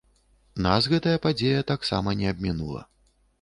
Нас гэтая падзея таксама не абмінула.